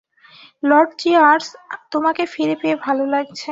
Lord cheers তোমাকে ফিরে পেয়ে ভালো লাগছে।